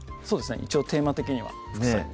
一応テーマ的には「副菜」